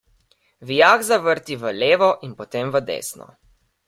Vijak zavrti v levo in potem v desno.